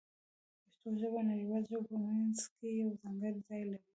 پښتو ژبه د نړیوالو ژبو په منځ کې یو ځانګړی ځای لري.